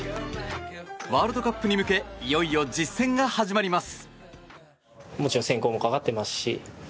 ワールドカップに向けいよいよ実戦が始まります。